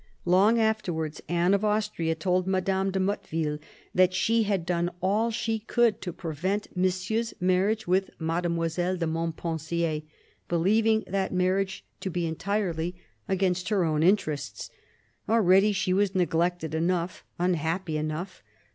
Long afterwards Anne of Austria told Madame de Motteville that she had done all she could to prevent Monsieur's marriage with Mademoiselle de Montpensier, believing that marriage to be entirely against her own 1 64 CARDINAL DE RICHELIEU interests. Already she was neglected enough, unhappy enough.